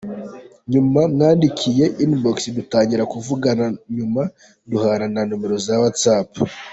Nyuma namwandikiye inbox dutangira kuvugana nyuma duhana nimero za Whatsapp.